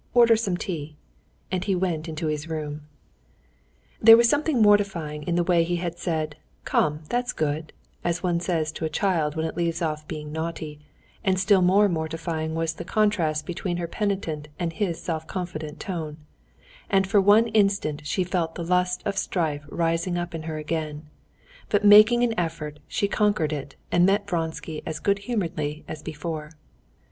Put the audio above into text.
Order some tea." And he went into his room. There was something mortifying in the way he had said "Come, that's good," as one says to a child when it leaves off being naughty, and still more mortifying was the contrast between her penitent and his self confident tone; and for one instant she felt the lust of strife rising up in her again, but making an effort she conquered it, and met Vronsky as good humoredly as before.